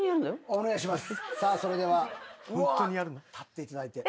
お願いします。